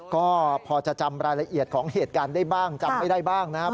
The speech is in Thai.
ก็พอจะจำรายละเอียดของเหตุการณ์ได้บ้างจำไม่ได้บ้างนะครับ